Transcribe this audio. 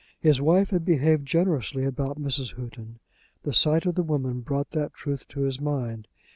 His wife had behaved generously about Mrs. Houghton. The sight of the woman brought that truth to his mind.